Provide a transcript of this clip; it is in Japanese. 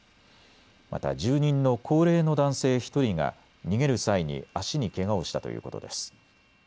また住人の高齢の男性１人が逃げる際に足にけがをしたということです。